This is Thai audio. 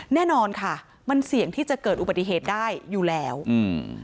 แน่นอนค่ะมันเสี่ยงที่จะเกิดอุบัติเหตุได้อยู่แล้วอืม